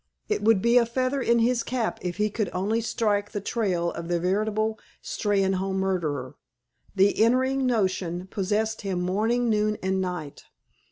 It would be a feather in his cap if he could only strike the trail of the veritable Steynholme murderer. The entrancing notion possessed him morning, noon, and night.